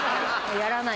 やらない。